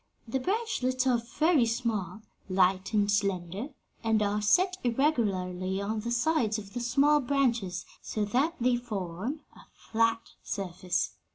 The branchlets are very small, light and slender, and are set irregularly on the sides of the small branches; so that they form a flat surface.